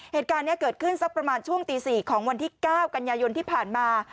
เหตุการณ์นี้เกิดขึ้นสักประมาณช่วงตี๔ของวันที่๙กันยายนที่ผ่านมา